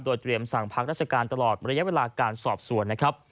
เตรียมสั่งพักราชการตลอดระยะเวลาการสอบสวนนะครับ